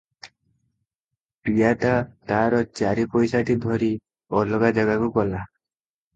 ପିଆଦା ତାର ଚାରିପଇସାଟି ଧରି ଅଲଗା ଜାଗାକୁ ଗଲା ।